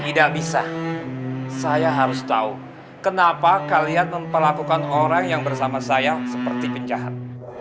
tidak bisa saya harus tahu kenapa kalian memperlakukan orang yang bersama saya seperti penjahat